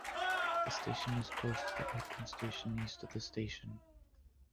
The station is close to the Oaklands station East of the station.